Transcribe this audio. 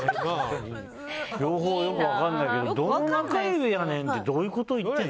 両方よく分からないけどどの中指やねん！って